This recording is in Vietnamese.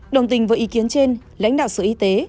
đồng tình với ý kiến trên lãnh đạo sở y tế